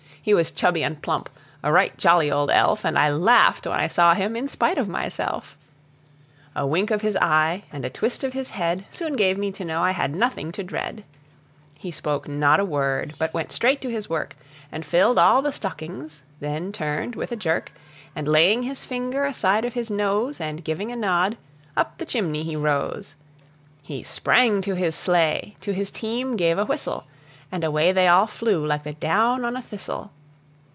He was chubby and plump, a right jolly old elf, And I laughed when I saw him, in spite of myself; A wink of his eye and a twist of his head, Soon gave me to know I had nothing to dread; He spoke not a word, but went straight to his work, And filled all the stockings; then turned with a jerk, And laying his finger aside of his nose, And giving a nod, up the chimney he rose; He sprang to his sleigh, to his team gave a whistle, And away they all flew like the down on a thistle.